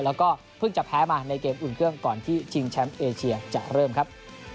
แล้วก็เพิ่งจะแพ้มาในเกมอุ่นเครื่องก่อนที่ชิงแชมป์เอเชียจะเริ่มครับ